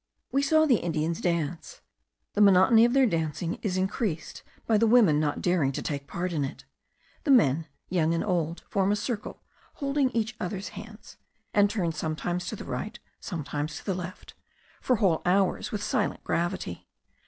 We saw the Indians dance. The monotony of their dancing is increased by the women not daring to take part in it. The men, young and old, form a circle, holding each others' hands; and turn sometimes to the right, sometimes to the left, for whole hours, with silent gravity.